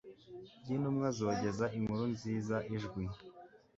by'intumwa zogeza inkuru nziza, ijwi